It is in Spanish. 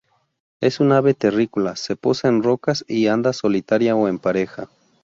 Es un ave terrícola, se posa en rocas y anda solitaria o en pareja.